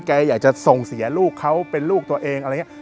แกอยากจะส่งเสียลูกเขาเป็นลูกตัวเอง